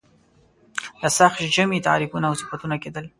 د سخت ژمي تعریفونه او صفتونه کېدل.